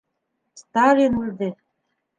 Сталин үлде.